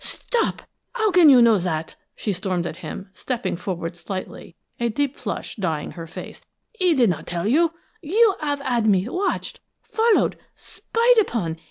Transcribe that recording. "Stop! How can you know that!" she stormed at him, stepping forward slightly, a deep flush dyeing her face. "He did not tell you! You have had me watched, followed, spied upon!